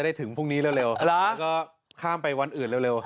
แล้วก็ข้ามไปวันอื่นเร็ว